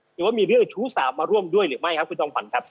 หรือว่ามีเรื่องชู้สาวมาร่วมด้วยหรือไม่ครับคุณจอมขวัญครับ